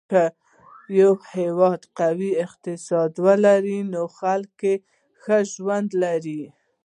که یو هېواد قوي اقتصاد ولري، نو خلک یې ښه ژوند لري.